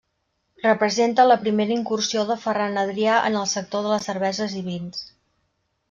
Representa la primera incursió de Ferran Adrià en el sector de les cerveses i vins.